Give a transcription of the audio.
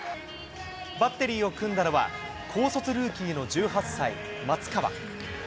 バッテリーを組んだのは、高卒ルーキーの１８歳、松川。